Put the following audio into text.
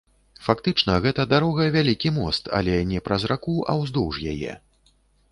Фактычна гэта дарога вялікі мост, але не праз раку а ўздоўж яе.